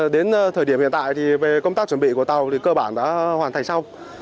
đến thời điểm hiện tại thì về công tác chuẩn bị của tàu cơ bản đã hoàn thành xong